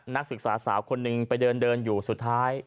นักศึกษาสาวคนหนึ่งไปเดินอยู่สุดท้าย